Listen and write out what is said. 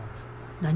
「何？